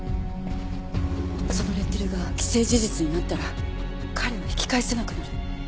そのレッテルが既成事実になったら彼は引き返せなくなる。